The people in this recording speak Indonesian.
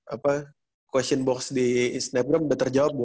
apa question box di snapgram udah terjawab